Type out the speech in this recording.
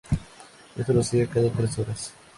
Esto lo hacía cada tres horas.